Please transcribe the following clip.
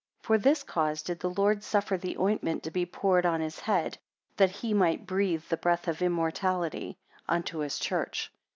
4 For this cause did the Lord suffer the ointment to be poured on his head; that he might breathe the breath of immortality unto his church.